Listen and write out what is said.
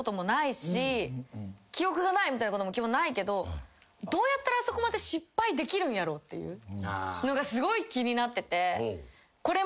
記憶がないみたいなこともないけどどうやったらあそこまで失敗できるんやろうっていうのがすごい気になってて。